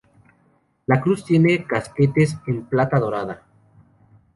La cruz tiene casquetes en plata dorada.